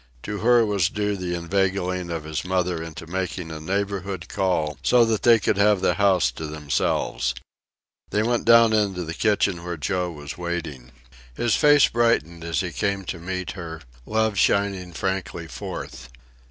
To her was due the inveigling of his mother into making a neighborhood call so that they could have the house to themselves. They went down into the kitchen where Joe was waiting. His face brightened as he came to meet her, love shining frankly forth.